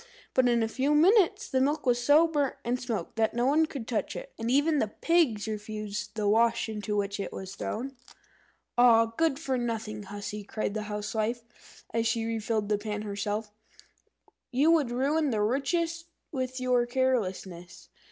But in a few minutes the milk was so burnt and smoked that no one could touch it, and even the pigs refused the wash into which it was thrown. "Ah, good for nothing hussy!" cried the Housewife, as she refilled the pan herself, "you would ruin the richest with your carelessness.